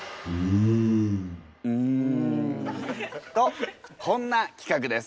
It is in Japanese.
「うん」。とこんなきかくです。